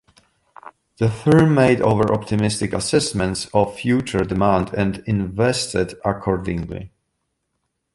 The firm made over-optimistic assessments of future demand, and invested accordingly.